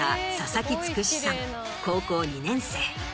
高校２年生。